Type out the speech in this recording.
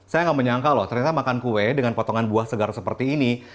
saya nggak menyangka loh ternyata makan kue dengan potongan buah segar seperti ini